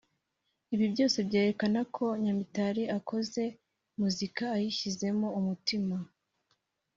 Ibi byose byerekana ko Nyamitali akoze muzika ayishyizemo umutima